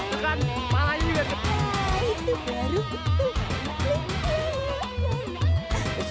tuh kan malah juga